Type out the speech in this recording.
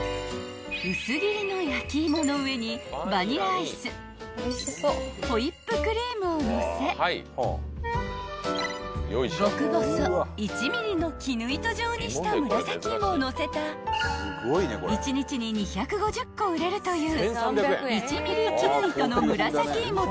［薄切りの焼き芋の上にバニラアイスホイップクリームをのせ極細１ｍｍの絹糸状にした紫芋をのせた１日に２５０個売れるという］